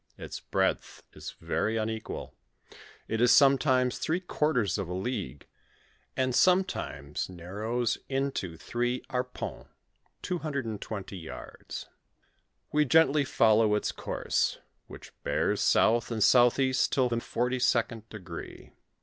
Its breadth is very unequal: it is sometimes three quarters of a league, and sometimes narrows in to three arpentt (220 yards). "We gently follow its course, which be^ south and southeast till the forty second degree.